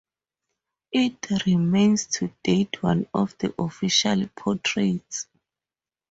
It remains to date one of the official portraits.